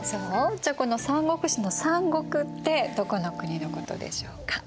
じゃあこの「三国志」の「三国」ってどこの国のことでしょうか？